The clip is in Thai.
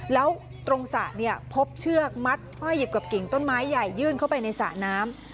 แล้วตรงสระเนี่ยพบเชือกมัดห้อยหยิบกับกิ่งต้นไม้ใหญ่ยื่นเข้าไปในสระน้ำ